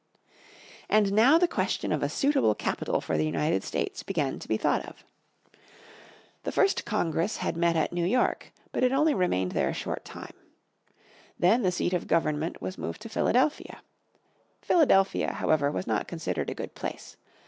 And now the question of a suitable capital for the United States began to be thought of. The first Congress had met at New York, but it only remained there a short time. Then the seat of government was moved to Philadelphia. Philadelphia, however, was not considered a good place.